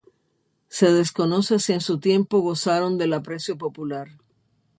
Se desconoce si en su tiempo gozaron del aprecio popular.